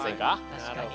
確かに。